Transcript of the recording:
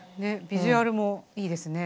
ビジュアルもいいですね。